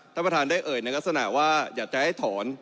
ท่านประธานได้เอ่ยในลักษณะว่าอยากจะให้ถอน